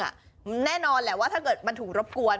แน่นอนแหละว่าถ้าเกิดมันถูกรบกวน